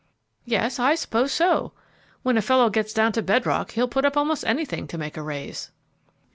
"Yes, I suppose so. When a fellow gets down to bedrock, he'll put up most anything to make a raise."